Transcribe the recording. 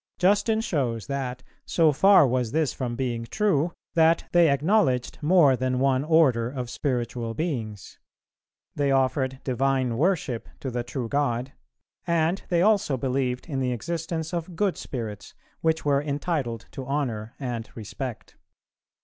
Justin shows that so far was this from being true, that they acknowledged more than one order of spiritual Beings; they offered divine worship to the true God, and they also believed in the existence of good spirits, which were entitled to honour and respect.